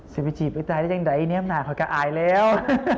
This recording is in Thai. สิไปจีบไอ้ไตได้ยังไดไอ้เนียมหนาค่อยก็อายแล้ว